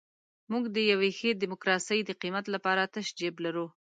موږ د یوې ښې ډیموکراسۍ د قیمت لپاره تش جیب لرو.